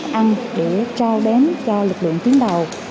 các lực lượng tuyến đầu ăn để trao đếm cho lực lượng tuyến đầu